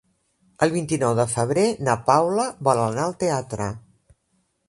El vint-i-nou de febrer na Paula vol anar al teatre.